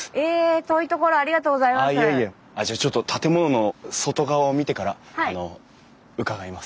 じゃあちょっと建物の外側を見てから伺います。